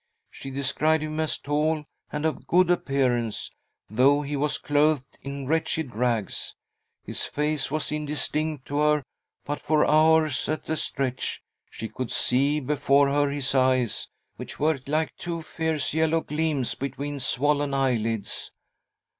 She described him as tall, and of good appearance, though he was clothed in wretched rags. His face was indistinct to her, but for hours at a stretch she could see before her his eyes, which iky like two fierce yellow gleams , between swollen eyelids.